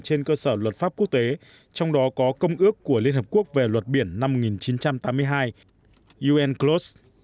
trên cơ sở luật pháp quốc tế trong đó có công ước của liên hợp quốc về luật biển năm một nghìn chín trăm tám mươi hai unclos